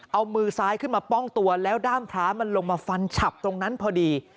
เอามือซ้ายขึ้นมาป้องตัวแล้วด้ามพระมันลงมาฟันฉับตรงนั้นพอดี